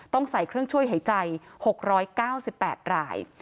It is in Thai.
ต้องใส่เครื่องช่วยหายใจ๖๙๘ราย